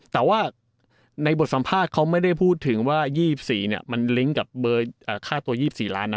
แต่ว่าในบทสัมภาษณ์เขาไม่ได้พูดถึงว่า๒๔มันลิ้งกับค่าตัว๒๔ล้านนะ